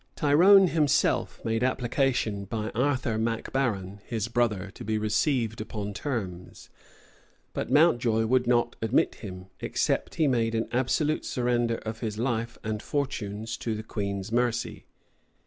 {1603.} Tyrone himself made application by Arthur Mac Baron, his brother, to be received upon terms; but Mountjoy would not admit him, except he made an absolute surrender of his life and fortunes to the queen's mercy.